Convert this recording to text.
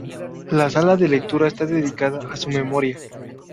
La Sala de Lectura está dedicada a su memoria.